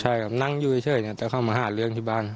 ใช่ครับนั่งอยู่เฉยจะเข้ามาหาเรื่องที่บ้าน